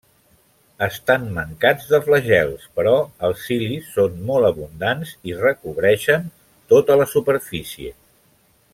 Estan mancats de flagels, però els cilis són molt abundants i recobreixen tota la superfície.